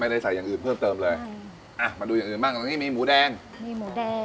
ใส่อย่างอื่นเพิ่มเติมเลยอ่ะมาดูอย่างอื่นบ้างตรงนี้มีหมูแดงมีหมูแดง